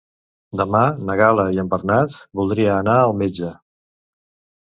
Demà na Gal·la i en Bernat voldria anar al metge.